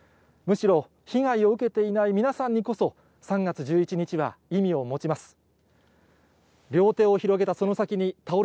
むしろ、被害を受けていない皆さんにこそ、３月１１日は意味を持ちます。